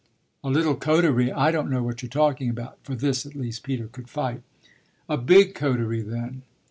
"A little coterie? I don't know what you're talking about!" for this at least Peter could fight. "A big coterie, then!